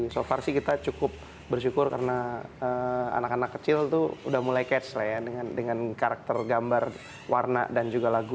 so far sih kita cukup bersyukur karena anak anak kecil tuh udah mulai catch lah ya dengan karakter gambar warna dan juga lagu